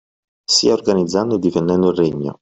Sia organizzando e difendendo il Regno